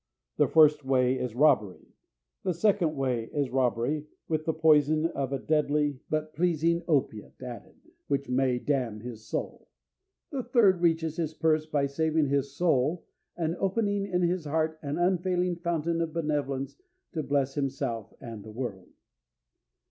The first way is robbery. The second way is robbery, with the poison of a deadly, but pleasing, opiate added, which may damn his soul. The third reaches his purse by saving his soul and opening in his heart an unfailing fountain of benevolence to bless himself and the world.